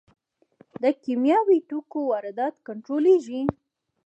د کیمیاوي توکو واردات کنټرولیږي؟